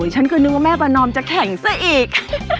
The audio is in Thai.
ฉันก็นึกว่าแม่ประนอมจะแข่งซะอีก